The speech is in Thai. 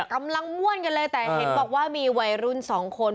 กำลังม่วนกันเลยแต่เห็นบอกว่ามีวัยรุ่นสองคน